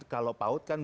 kalau paut kan